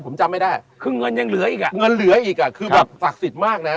ผมจำไม่ได้คือเงินยังเหลืออีกคือศักดิ์สิทธิ์มากนะ